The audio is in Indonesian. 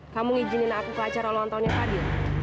kamu izinin aku ke acara lontongnya tadi